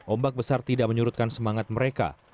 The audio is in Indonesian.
ombak besar tidak menyurutkan semangat mereka